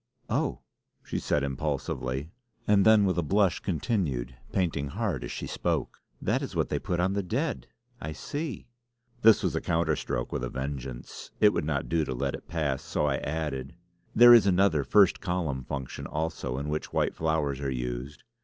"Oh!" she said impulsively, and then with a blush continued, painting hard as she spoke: "That is what they put on the dead! I see!" This was a counter stroke with a vengeance. It would not do to let it pass so I added: "There is another 'first column' function also in which white flowers are used.